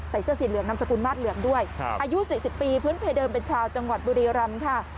เสื้อสีเหลืองนำสกุลมาสเหลืองด้วยอายุ๔๐ปีพื้นเพเดิมเป็นชาวจังหวัดบุรีรำค่ะ